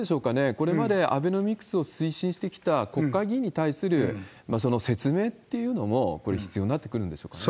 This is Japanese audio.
これまでアベノミクスを推進してきた国会議員に対する説明っていうのも、これ必要になってくるんでしょうかね。